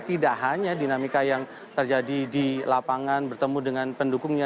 tidak hanya dinamika yang terjadi di lapangan bertemu dengan pendukungnya